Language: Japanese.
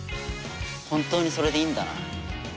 本当にそれでいいんだな？